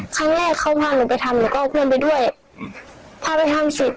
ครั้งแรกเขาพาหนูไปทำหนูก็เอาเพื่อนไปด้วยพาไปทำเสร็จ